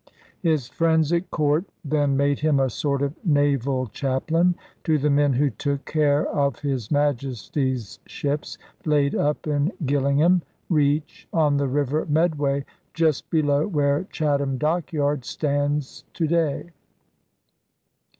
His friends at; court then made him a sort of naval chaplain to the men who took care of His Majesty's ships laid up in Gilling ham Reach on the River Medway, just below where Chatham Dockyard stands to day.